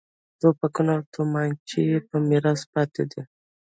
توپکونه او تومانچې یې په میراث پاتې دي.